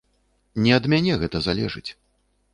Не ад мяне гэта залежыць.